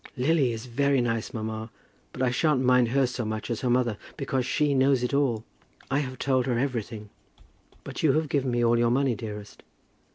"Lily is very nice, mamma; but I shan't mind her so much as her mother, because she knows it all. I have told her everything." "But you have given me all your money, dearest."